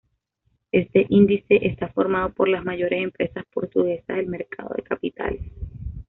Este índice está formado por las mayores empresas portuguesas del mercado de capitales.